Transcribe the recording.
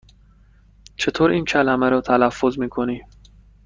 چطور این کلمه را تلفظ می کنی؟